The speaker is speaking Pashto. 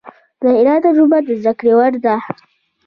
د ایران تجربه د زده کړې وړ ده.